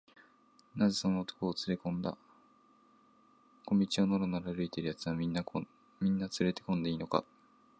「なぜその男をつれこんだんだ？小路をのろのろ歩いているやつは、みんなつれこんでいいのか？」